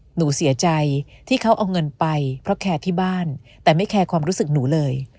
หนูเสียใจที่เขาเอาเงินไปเพราะแคร์ที่บ้านแต่ไม่แคร์ความรู้สึกหนูเลย